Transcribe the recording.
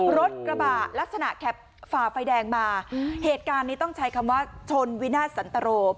รถกระบะลักษณะขับฝ่าไฟแดงมาเหตุการณ์นี้ต้องใช้คำว่าชนวินาทสันตรโร